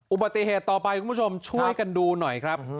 อุบัติเหตุต่อไปคุณผู้ชมช่วยกันดูหน่อยครับ